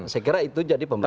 saya kira itu jadi pemberi